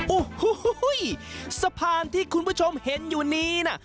โอ้โหสะพานที่คุณผู้ชมเห็นอยู่นี้นะ